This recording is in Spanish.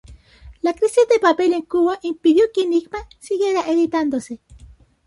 La crisis de papel en Cuba impidió que Enigma siguiera editándose.